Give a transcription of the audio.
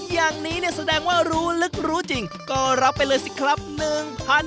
อย่างนี้แสดงว่ารู้ลึกรู้จริงก็รับไปเลยสิครับ๑๐๐๐บาท